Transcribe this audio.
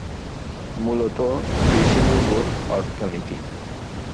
মূলত কৃষি নির্ভর অর্থনীতি।